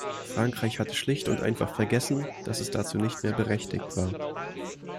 Frankreich hatte schlicht und einfach vergessen, dass es dazu nicht mehr berechtigt war.